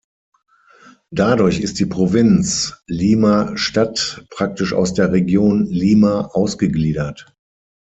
Dadurch ist die Provinz Lima Stadt praktisch aus der Region Lima ausgegliedert.